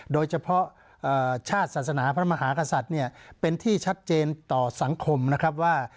โดยเฉพาะชาติศาสนาพระมหากษัตริย์เนี่ยเป็นที่ชัดเจนต่อสังคมนะครับว่า